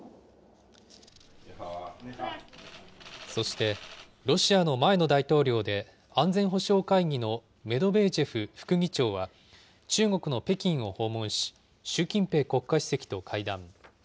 そして、ロシアの前の大統領で安全保障会議のメドベージェフ副議長は、中国の北京を訪問し、習近平国家主席と会談。